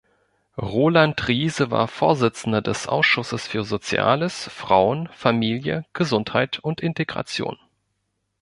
Roland Riese war Vorsitzender des Ausschusses für Soziales, Frauen, Familie, Gesundheit und Integration.